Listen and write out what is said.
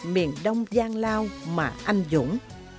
miền đông gian lao mà anh dũng